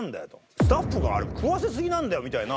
スタッフが食わせすぎなんだよ」みたいな。